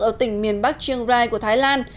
ở tỉnh miền bắc chiêng rai của thái lan